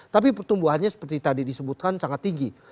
tapi pertumbuhannya seperti tadi disebutkan sangat tinggi